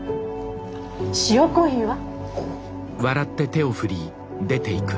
塩コーヒーは？